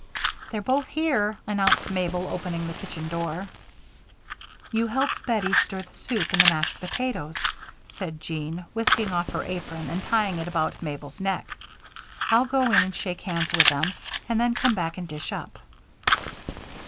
"They're both here," announced Mabel, opening the kitchen door. "You help Bettie stir the soup and the mashed potatoes," said Jean, whisking off her apron and tying it about Mabel's neck. "I'll go in and shake hands with them and then come back and dish up."